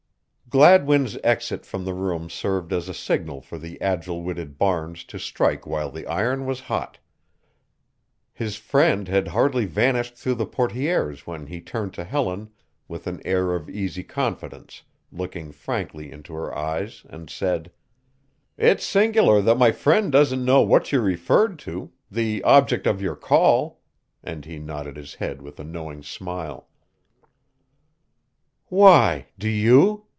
Gladwin's exit from the room served as a signal for the agile witted Barnes to strike while the iron was hot. His friend had hardly vanished through the portières when he turned to Helen with an air of easy confidence, looking frankly into her eyes, and said: "It's singular that my friend doesn't know what you referred to the object of your call," and he nodded his head with a knowing smile. "Why, do you?"